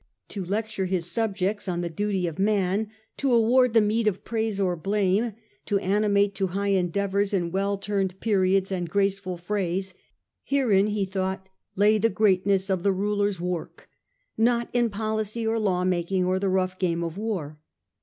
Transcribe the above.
To lecture his subjects on the duty of man, to award the meed of praise or blame, to animate to high endeavours in well turned periods and graceful phrase — herein, he thought, lay the greatness of the ruler's work, not in policy or law making, or the rough game of war.